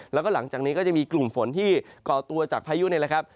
แล้วก็หลังจากนี้ก็จะมีกลุ่มฝนที่ก่อตัวจากพายุนเอง